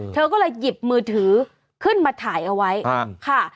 เธอก็เลยหยิบมือถือขึ้นมาถ่ายเอาไว้ค่ะ